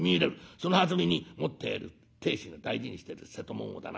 そのはずみに持っている亭主が大事にしてる瀬戸物をだな